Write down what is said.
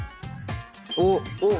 おっおっ！